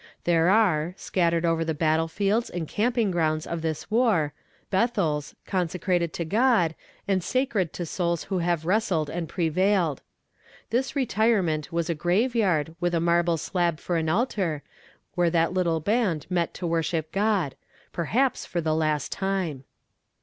There are, scattered over the battle fields and camping grounds of this war, Bethels, consecrated to God, and sacred to souls who have wrestled and prevailed. This retirement was a grave yard, with a marble slab for an altar, where that little band met to worship God perhaps for the last time.